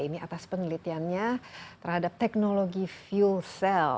ini atas penelitiannya terhadap teknologi fuel cell